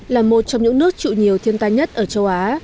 là một trong những nước chịu nhiều thiên tai nhất ở châu á